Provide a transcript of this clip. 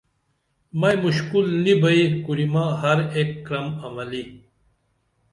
مئی مُشکُل نی بئی کُرِمہ ہر ایک کرم عملی